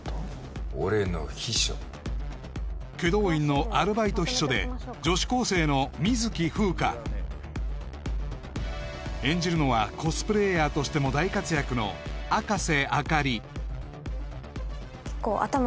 俺の秘書祁答院のアルバイト秘書で女子高生の水樹風華演じるのはコスプレイヤーとしても大活躍のあかせ